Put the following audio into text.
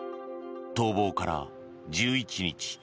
逃亡から１１日。